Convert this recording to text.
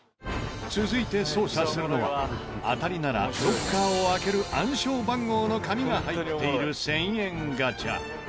続いて捜査するのは当たりならロッカーを開ける暗証番号の紙が入っている１０００円ガチャ。